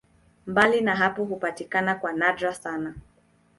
Mbali na hapo hupatikana kwa nadra sana.